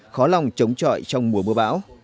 khó lòng chống trọi trong mùa mưa bão